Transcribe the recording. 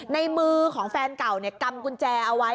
ในมือของแฟนเก่ากำกุญแจเอาไว้